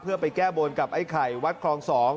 เพื่อไปแก้บนกับไอ้ไข่วัดคลอง๒